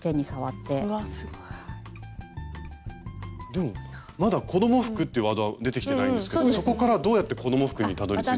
でもまだ「子ども服」ってワードは出てきてないんですけどそこからどうやって子ども服にたどりついた？